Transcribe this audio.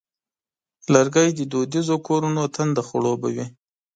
لرګی د دودیزو کورونو تنده خړوبوي.